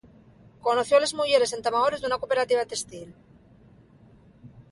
Conoció a les muyeres entamadores d'una cooperativa testil.